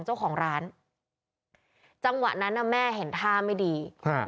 เจ้าของร้านจังหวะนั้นน่ะแม่เห็นท่าไม่ดีฮะ